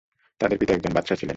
তাঁদের পিতা একজন বাদশাহ ছিলেন।